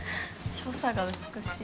所作が美しい。